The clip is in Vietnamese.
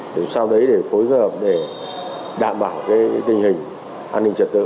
để làm sao đấy để phối kết hợp để đảm bảo cái tình hình an ninh trật tự